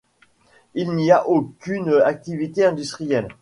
Il n'y a aucune activité industrielle.